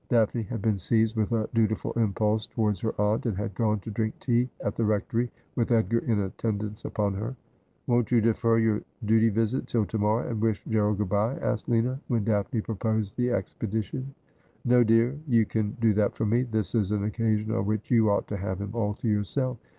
Daphne had been seized with a dutiful impulse towards her aunt, and had gone to drink tea at the Rectory, with Edgar in attendance upon her. ' Won't you defer your duty visit till to morrow, and wish Gerald good bye ?' asked Lina, when Daphne proposed the expedition. ' No, dear ; you can do that for me. This is an occasion on which you ought to have him all to yourself.